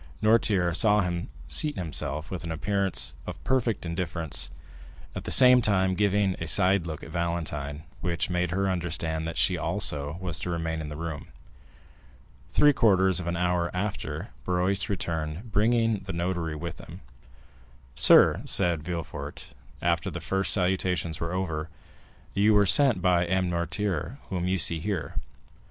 Noirtier saw him seat himself with an appearance of perfect indifference, at the same time giving a side look at Valentine, which made her understand that she also was to remain in the room. Three quarters of an hour after, Barrois returned, bringing the notary with him. "Sir," said Villefort, after the first salutations were over, "you were sent for by M. Noirtier, whom you see here.